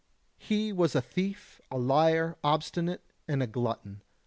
He was a thief, a liar, obstinate, and a glutton.